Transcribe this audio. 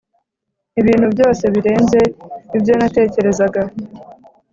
ibintu byose birenze ibyo natekerezaga